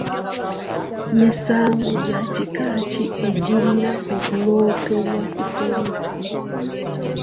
Misango gya kika ki egirina okuloopebwa ku poliisi?